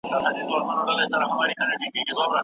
سیاستوال ولي د وګړو شخصي حریم ساتي؟